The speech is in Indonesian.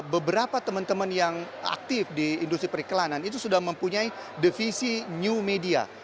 beberapa teman teman yang aktif di industri periklanan itu sudah mempunyai defisi new media